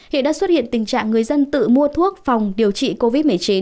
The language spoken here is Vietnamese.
hiện đã xuất hiện tình trạng người dân tự mua thuốc phòng điều trị covid một mươi chín